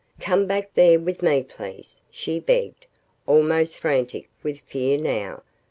"Come back there with me, please," she begged, almost frantic with fear now.